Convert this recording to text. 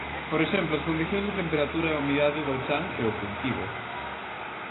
Por exemplo, as condicións de temperatura e humidade do chan e o cultivo.